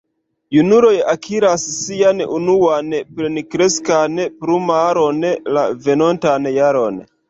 Junuloj akiras sian unuan plenkreskan plumaron la venontan jaron.